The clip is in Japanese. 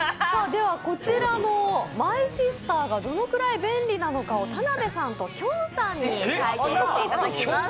ではこちらのマイシスターがどれくらい便利なのかを田辺さんときょんさんに体験していただきます。